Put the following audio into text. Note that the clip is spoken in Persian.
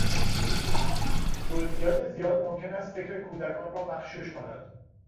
جزئیات زیاد ممکن است فکر کودکان را مغشوش کند.